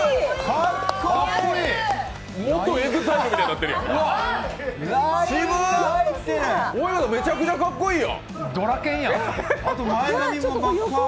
うわー、めちゃくちゃかっこいい。